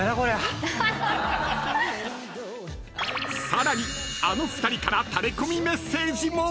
［さらにあの２人からタレコミメッセージも］